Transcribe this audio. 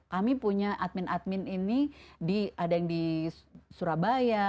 kami punya admin admin ini ada yang di surabaya